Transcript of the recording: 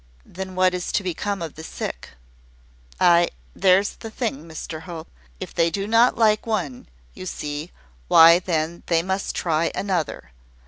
"Then what is to become of the sick?" "Ay, there's the thing, Mr Hope. If they do not like one, you see, why then they must try another.